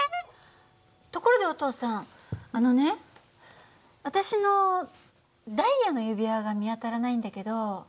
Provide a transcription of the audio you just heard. ところでお父さんあのね私のダイヤの指輪が見当たらないんだけど。